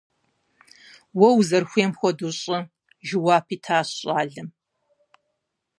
- Уэ узэрыхуейм хуэдэу щӀы! - жэуап итащ щӀалэм.